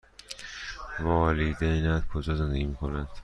والدینت کجا زندگی می کنند؟